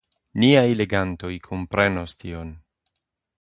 Niaj legantoj komprenos tion.